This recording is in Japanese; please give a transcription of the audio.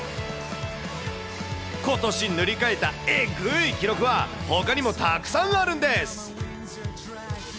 ことし塗り替えたえぐい記録は、ほかにもたくさんあるんです。